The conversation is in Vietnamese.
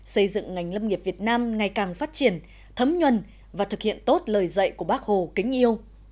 xây dựng ngành lâm nghiệp việt nam ngày càng phát triển thấm nhuần và thực hiện tốt lời dạy của bác hồ kính yêu